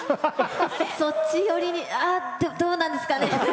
そっち寄りにどうなんですかね。